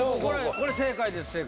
これ正解です、正解。